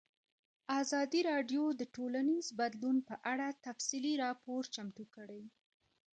ازادي راډیو د ټولنیز بدلون په اړه تفصیلي راپور چمتو کړی.